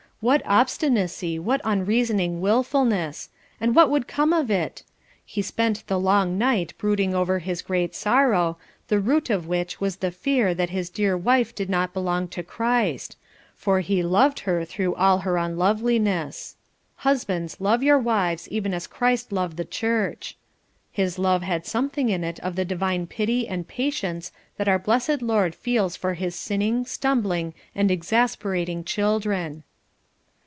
What obstinacy, what unreasoning wilfulness and what would come of it? He spent the long night brooding over his great sorrow, the root of which was the fear that his dear wife did not belong to Christ, for beloved her through all her unloveliness. "Husbands, love your wives even as Christ loved the church." His love had something in it of the divine pity and patience that our blessed Lord feels for his sinning, stumbling, and exasperating children.